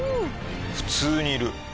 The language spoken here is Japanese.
普通にいる。